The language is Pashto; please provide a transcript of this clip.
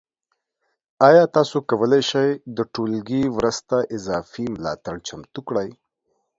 ایا تاسو کولی شئ د ټولګي وروسته اضافي ملاتړ چمتو کړئ؟